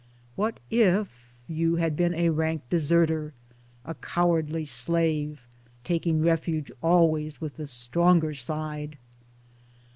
What if you had been a rank deserter, a cowardly slave, taking refuge always with the stronger side?